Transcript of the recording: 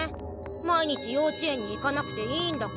毎日幼稚園に行かなくていいんだから。